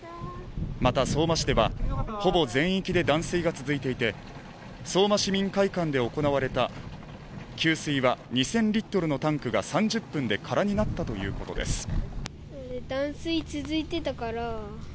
また相馬市ではほぼ全域で断水が続いていて相馬市民会館で行われた給水は２０００リットルのタンクが３０分で空になったということです